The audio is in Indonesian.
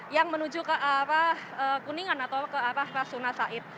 yang menuju ke arah kuningan atau ke arah rasuna said